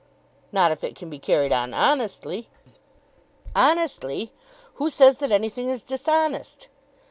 "Not if it can be carried on honestly." "Honestly! Who says that anything is dishonest?"